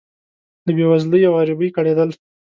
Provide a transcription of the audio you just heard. له بې وزلۍ او غریبۍ کړېدل.